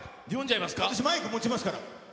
私、マイク持ちますから。